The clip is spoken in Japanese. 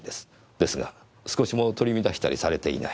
ですが少しも取り乱したりされていない。